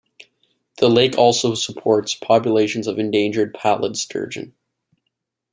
The lake also supports populations of the endangered pallid sturgeon.